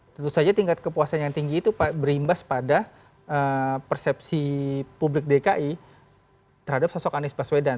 tentu saja tingkat kepuasan yang tinggi itu berimbas pada persepsi publik dki terhadap sosok anies baswedan